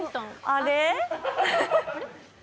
あれ？